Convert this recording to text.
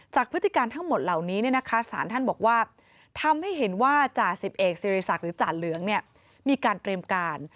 พฤติการทั้งหมดเหล่านี้สารท่านบอกว่าทำให้เห็นว่าจ่าสิบเอกสิริศักดิ์หรือจ่าเหลืองมีการเตรียมการ